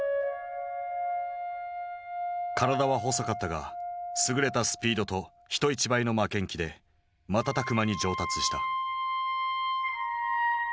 体は細かったが優れたスピードと人一倍の負けん気で瞬く間に上達した。